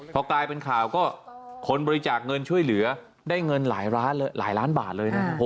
พอกลายเป็นข่าวก็คนบริจาคเงินช่วยเหลือได้เงินหลายล้านบาทเลยนะครับ